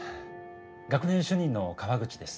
学年主任の川口です。